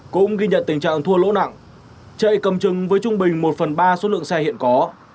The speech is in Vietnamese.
cũng ghi nhận tình trạng thua lỗ nặng chạy cầm chừng với trung bình một phần ba số lượng xe hiện có